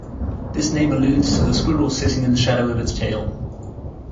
This name alludes to the squirrel sitting in the shadow of its tail.